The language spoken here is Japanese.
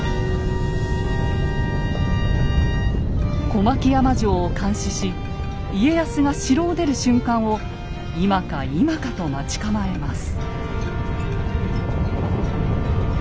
小牧山城を監視し家康が城を出る瞬間を今か今かと待ち構えます。